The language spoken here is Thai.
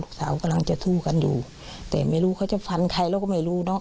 สาวกำลังจะสู้กันอยู่แต่ไม่รู้เขาจะฟันใครเราก็ไม่รู้เนอะ